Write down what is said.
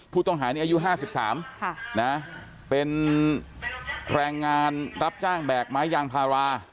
ผู้ต้องหาเนี่ยอายุห้าสิบสามค่ะนะเป็นแพลงงานรับจ้างแบบไม้ยางพารา